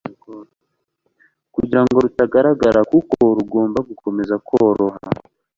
kugira ngo rutagagara kuko rugomba gukomeza koroh